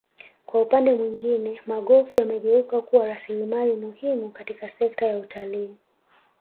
kwa upande mwingine magofu yamegeuka kuwa rasilimali muhimu katika sekta ya utalii